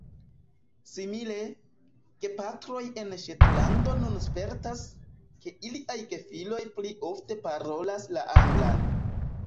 Simile, gepatroj en Ŝetlando nun spertas, ke iliaj gefiloj pli ofte parolas la anglan.